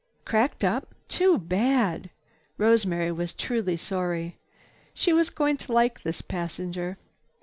"Cracked up? Too bad!" Rosemary was truly sorry. She was going to like this passenger.